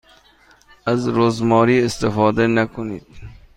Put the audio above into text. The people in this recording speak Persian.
از رزماری استفاده نکنید.